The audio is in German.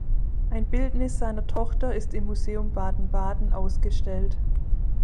Ein Bildnis seiner Tochter ist im Museum Baden-Baden ausgestellt.